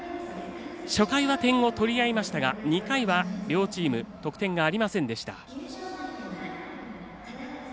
初回は点を取り合いましたが２回は、両チーム得点がありませんでした。